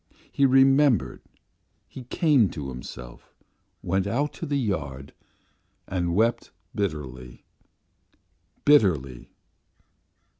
He remembered, he came to himself, went out of the yard and wept bitterly bitterly.